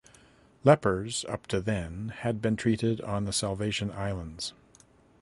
Lepers up to then had been treated on the Salvation Islands.